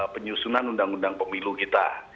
penyusunan undang undang pemilu kita